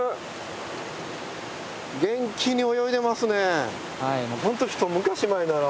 元気に泳いでますね。